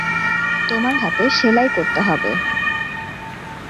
তোমার হাতে সেলাই করতে হবে।